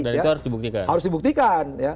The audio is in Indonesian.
dan itu harus dibuktikan harus dibuktikan